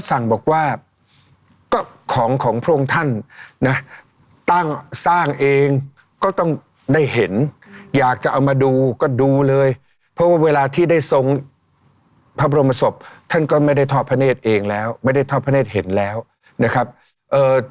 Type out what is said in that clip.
สร้างสร้างเองก็ต้องได้เห็นอยากจะเอามาดูก็ดูเลยเพราะเวลาที่ได้ทรงพระบรมศพท่านก็ไม่ได้ทอดพระเนธเองแล้วไม่ได้ทอดพระเนธเห็นแล้วนะครับเอ่อ